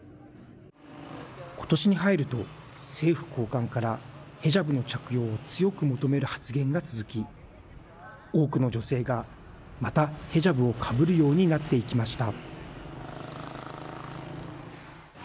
今年に入ると政府高官からヘジャブの着用を強く求める発言が続き多くの女性がまたヘジャブをかぶるようになっていきました。